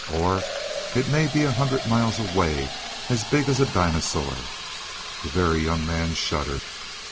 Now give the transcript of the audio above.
"Or it may be a hundred miles away and big as a dinosaur." The Very Young Man shuddered.